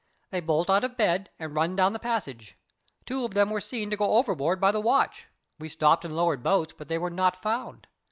They bolt out of bed and run down the passage. Two of them were seen to go overboard by the watch; we stopped and lowered boats, but they were not found.